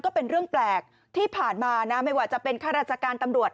ก็เป็นเรื่องแปลกที่ผ่านมานะไม่ว่าจะเป็นข้าราชการตำรวจ